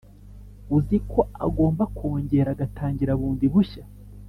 uziko agomba kongera agatangira bundi bushya